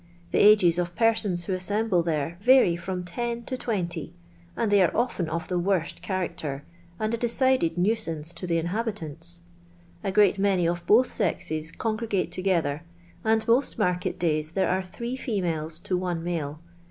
The ages of persons who assemble there vary from ten to twenty, and they are often of the worst character, and a de cideded nuisance to the inhabitants. A great many of both sexes congregate together, and most market days there are three females to one male.